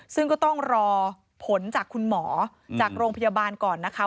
ซึ่งก็ต้องรอผลจากคุณหมอจากโรงพยาบาลก่อนนะคะ